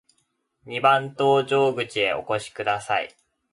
二番搭乗口へお越しください。